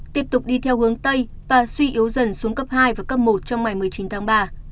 tiếp tục đi theo hướng tây và suy yếu dần xuống cấp hai và cấp một trong ngày một mươi chín tháng ba